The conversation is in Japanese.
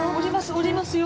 降りますよ。